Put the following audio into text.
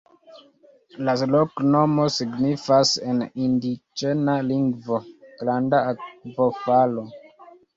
La loknomo signifas en indiĝena lingvo: "granda akvofalo".